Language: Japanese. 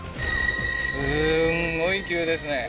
すごい急ですね